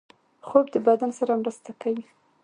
خوب د بدن سره مرسته کوي